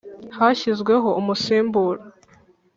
Hashyizweho umusimbura .